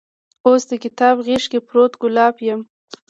اوس دکتاب غیز کې پروت ګلاب یمه